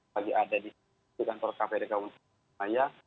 bagi ada di kantor kprk untuk saya